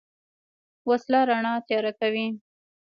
وسله رڼا تیاره کوي